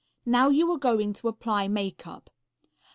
Now you are going to apply makeup.